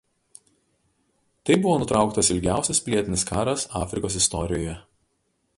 Taip buvo nutrauktas ilgiausias pilietinis karas Afrikos istorijoje.